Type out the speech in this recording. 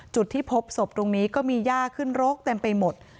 จุดที่พบศพตรงนี้ก็มีย่าขึ้นโรคเต็มไปหมด